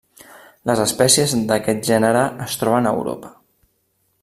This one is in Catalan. Les espècies d'aquest gènere es troben a Europa.